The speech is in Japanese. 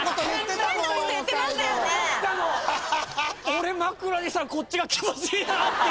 「俺枕にしたらこっちが気持ちいいな」